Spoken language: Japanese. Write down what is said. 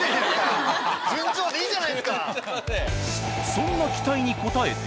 そんな期待に応えて。